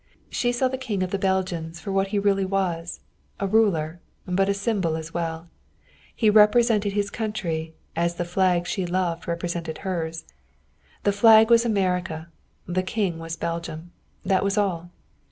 She saw the King of the Belgians for what he really was, a ruler, but a symbol as well. He represented his country, as the Flag she loved represented hers. The flag was America, the King was Belgium. That was all.